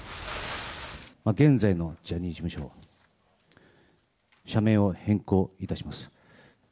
現在のジャニーズ事務所、社名を変更いたします。